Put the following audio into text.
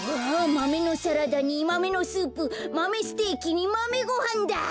マメのサラダにマメのスープマメステーキにマメごはんだ！